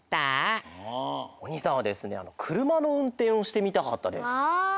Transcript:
お兄さんはですねくるまのうんてんをしてみたかったです。